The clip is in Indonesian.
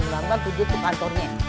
bilang bilang tuju tuh kantornya